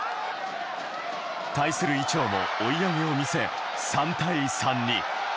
対する伊調も追い上げを見せ、３対３に。